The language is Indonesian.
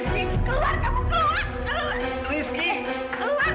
keluar kamu keluar